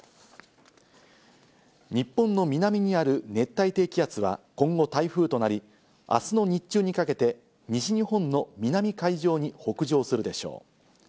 日本の南にある熱帯低気圧は今後台風となり、明日の日中にかけて西日本の南海上に北上するでしょう。